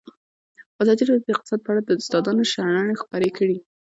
ازادي راډیو د اقتصاد په اړه د استادانو شننې خپرې کړي.